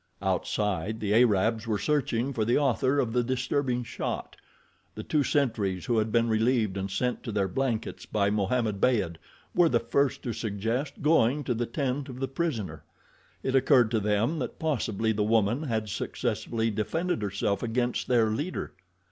Outside, the Arabs were searching for the author of the disturbing shot. The two sentries who had been relieved and sent to their blankets by Mohammed Beyd were the first to suggest going to the tent of the prisoner. It occurred to them that possibly the woman had successfully defended herself against their leader.